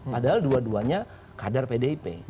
padahal dua duanya kader pdip